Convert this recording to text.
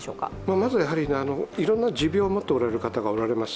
まずいろんな持病を持っておられる方がおられます。